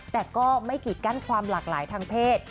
แต่ก็ไม่กีดกั้นความหลากหลายทางเพศ